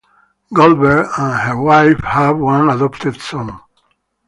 Goldberg and her wife have one adopted son.